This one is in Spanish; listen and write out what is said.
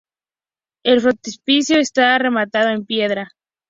El frontispicio está rematado en piedra.